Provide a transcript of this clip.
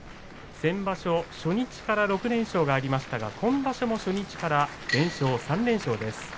先場所、初日から６連勝がありましたが、今場所も初日から連勝３連勝です。